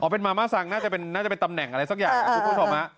อ๋อเป็นมาม่าซังน่าจะเป็นตำแหน่งอะไรสักอย่าง